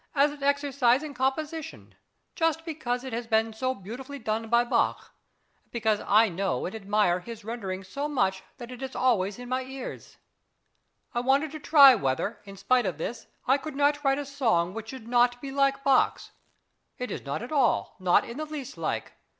as an exercise in composition, just because it has been so beautifully done by Bach, and because I know and admire his rendering so much that it is always in my ears; I wanted to try whether, in spite of this, I could not write a song which should not be like Bach's. It is not at all, not in the least like.